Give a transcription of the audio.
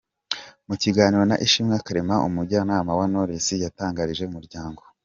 Mu kiganiro na Ishimwe Clement; umujyanama wa Knowless, yatangarije Umuryango.